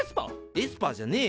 エスパーじゃねえよ！